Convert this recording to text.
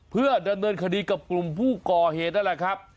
เพื่อดำเนินคดีกับกลุ่มผู้ก่อเหตุนั่นแหละครับ